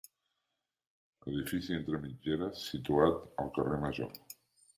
Edifici entre mitgeres situat al carrer Major.